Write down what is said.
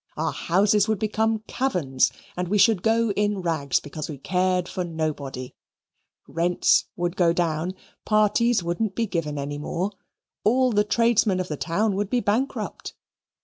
Our houses would become caverns, and we should go in rags because we cared for nobody. Rents would go down. Parties wouldn't be given any more. All the tradesmen of the town would be bankrupt.